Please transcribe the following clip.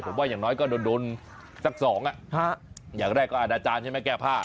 ผมว่าอย่างน้อยก็โดนสักสองอ่ะอย่างแรกก็อาณาจารย์ใช่ไหมแก้ผ้า